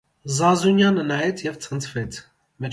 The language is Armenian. Զազունյանը նայեց և ցնցվեց.